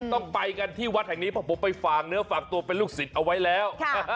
ต้องไปกันที่วัดแห่งนี้เพราะผมไปฝากเนื้อฝากตัวเป็นลูกศิษย์เอาไว้แล้ว